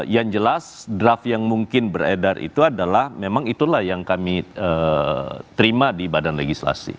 yang jelas draft yang mungkin beredar itu adalah memang itulah yang kami terima di badan legislasi